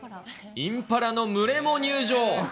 インパラの群れも入場。